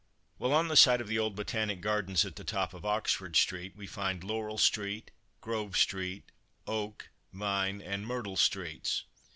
While on the site of the old Botanic Gardens at the top of Oxford street, we find Laurel street, Grove street, Oak, Vine, and Myrtle streets.